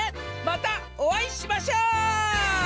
またおあいしましょう！